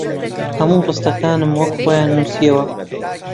هەموو ڕستەکانم وەک خۆیان نووسییەوە